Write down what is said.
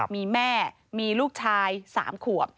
มีแม่มีลูกชาย๓ขวบ